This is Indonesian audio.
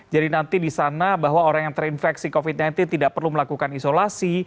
jadi nanti di sana bahwa orang yang terinfeksi covid sembilan belas tidak perlu melakukan isolasi